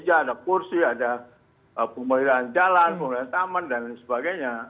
ada kursi ada pemeliharaan jalan pemeliharaan taman dan sebagainya